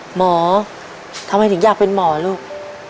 หมอทำไมถึงอยากเป็นหมอลูก